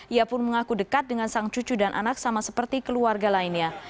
ia pun mengaku dekat dengan sang cucu dan anak sama seperti keluarga lainnya